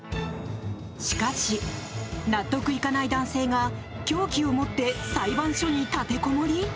しかし、納得いかない男性が凶器を持って裁判所に立てこもり！？